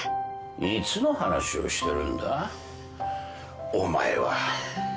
いつの話をしてるんだお前は。